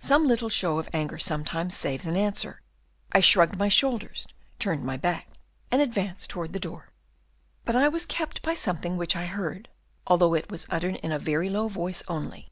"Some little show of anger sometimes saves an answer. I shrugged my shoulders, turned my back, and advanced towards the door. "But I was kept by something which I heard, although it was uttered in a very low voice only.